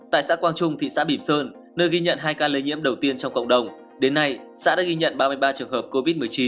tại xã quang trung thị xã bìm sơn nơi ghi nhận hai ca lây nhiễm đầu tiên trong cộng đồng đến nay xã đã ghi nhận ba mươi ba trường hợp covid một mươi chín